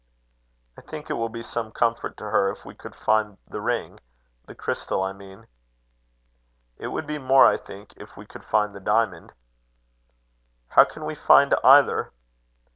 "I think it would be some comfort to her if we could find the ring the crystal, I mean." "It would be more, I think, if we could find the diamond." "How can we find either?"